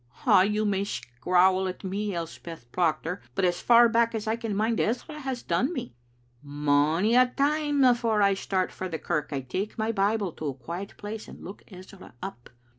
Ay, you may scrowl at me, Elspeth Proctor, but as far back as I can mind, Ezra has done me. Mony a time afore I start for the kirk I take my Bible to a quiet place and look Ezra up.